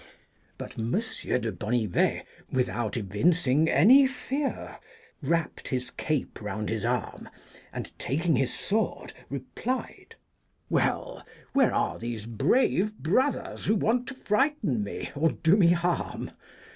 But M. de Bonnivet, without evincing any fear, wrapped his cape round his arm, and taking his sword replied :' Well, where are these brave brothers who want to frighten me, or do me harm?